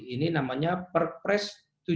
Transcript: ini namanya perpres tujuh puluh dua